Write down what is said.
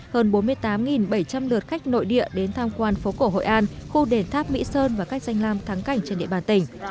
hơn bốn mươi tám bảy trăm linh lượt khách nội địa đến tham quan phố cổ hội an khu đền tháp mỹ sơn và các danh lam thắng cảnh trên địa bàn tỉnh